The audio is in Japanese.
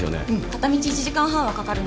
片道１時間半はかかるので。